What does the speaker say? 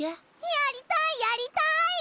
やりたいやりたい。